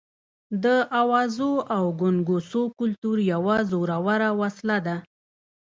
د اوازو او ګونګوسو کلتور یوه زوروره وسله ده.